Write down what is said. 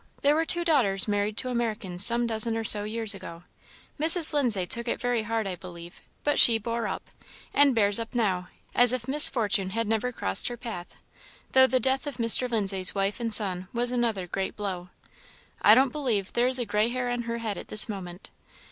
There were two daughters married to Americans some dozen or so years ago. Mrs. Lindsay took it very hard, I believe, but she bore up, and bears up now, as if misfortune had never crossed her path, though the death of Mr. Lindsay's wife and son was another great blow. I don't believe there is a gray hair on her head at this moment.